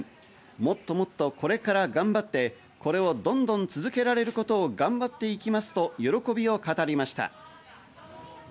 もっともっとこれから頑張って、これをどんどん続けられることを頑張っていきますと、喜びを語りました。